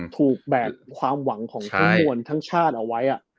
แบกความหวังของทุกคนทั้งชาติเอาไว้